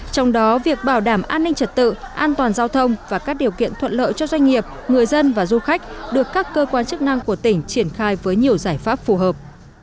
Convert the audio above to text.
trong đó việc bảo đảm an ninh trật tự an toàn giao thông và các điều kiện thuận lợi cho doanh nghiệp người dân và du khách được các cơ quan chức năng của tỉnh triển khai với nhiều giải pháp phù hợp